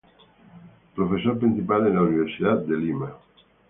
Profesor principal en la Universidad de Lima.